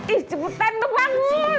ih cebutan tuh bangun